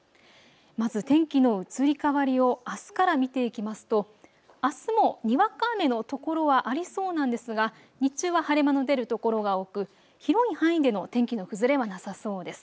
まず天気の移り変わりをあすから見ていきますとあすもにわか雨の所はありそうなんですが日中は晴れ間の出る所が多く、広い範囲での天気の崩れはなさそうです。